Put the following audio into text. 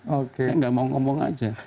saya tidak mau ngomong saja